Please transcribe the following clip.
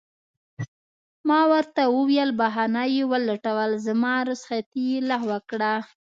ما ورته وویل: بهانه یې ولټول، زما رخصتي یې لغوه کړه.